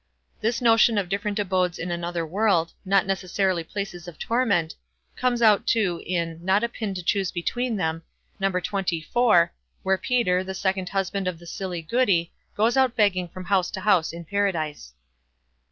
This notion of different abodes in another world, not necessarily places of torment, comes out too in "Not a Pin to choose between them", No. xxiv, where Peter, the second husband of the silly Goody, goes about begging from house to house in Paradise.